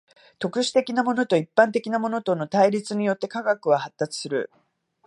特殊的なものと一般的なものとの対立によって科学は発達する。